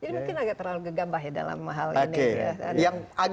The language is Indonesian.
mungkin agak terlalu gegambah ya dalam hal ini